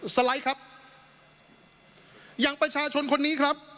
สไลด์ครับอย่างประชาชนคนนี้ครับ